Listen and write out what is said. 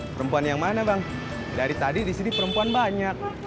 perempuan yang mana bang dari tadi disini perempuan banyak